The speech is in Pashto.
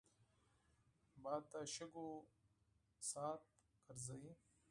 باد د شګو ساعت ګرځوي